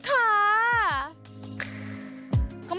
ก็ไม่มาขอสักทีเนอะหลงเหมือนกัน